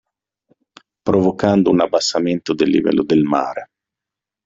Provocando un abbassamento del livello del mare.